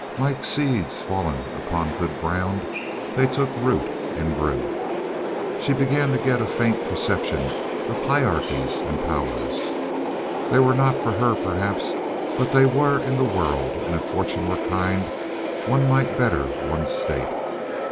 Like seeds fallen upon good ground, they took root and grew. She began to get a faint perception of hierarchies and powers. They were not for her, perhaps, but they were in the world, and if fortune were kind one might better one's state.